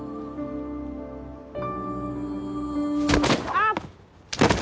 あっ！！